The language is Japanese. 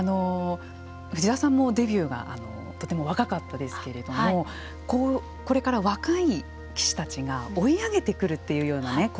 藤沢さんもデビューがとても若かったですけれどもこれから若い棋士たちが追い上げてくるというような構図になると思います。